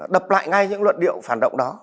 đập lại ngay những luận điệu phản động đó